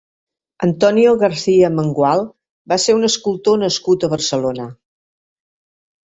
Antonio García Mengual va ser un escultor nascut a Barcelona.